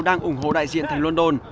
đang ủng hộ đại diện thành london